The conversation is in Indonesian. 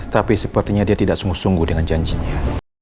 tapi sepertinya dia tidak sungguh sungguh dengan janjinya